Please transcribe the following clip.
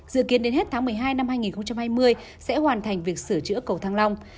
dự kiến đến hết tháng một mươi hai năm hai nghìn hai mươi sẽ hoàn thành việc sửa chữa cầu thăng long